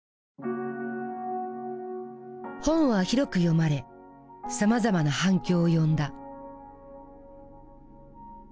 本は広く読まれさまざまな反響を呼んだ。